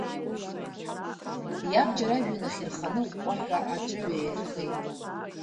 Иабџьар ажәҩан ахь ирханы, аҟәҟәаҳәа аҿыҩаирхеит.